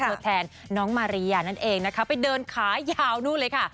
ตัวแทนน้องมาริยานั่นเองนะคะไปเดินขายาวนู่นเลยค่ะ